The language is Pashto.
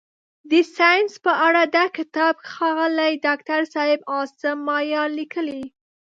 د ساینس په اړه دا کتاب ښاغلي داکتر صاحب عاصم مایار لیکلی.